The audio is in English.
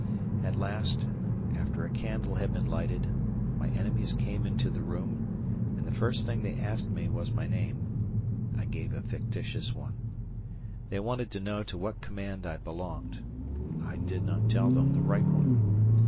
At last, after a candle had been lighted, my enemies came into the room, and the first thing they asked me was my name. I gave a fictitious one. They wanted to know to what command I belonged. I did not tell them the right one.